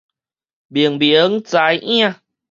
明明知影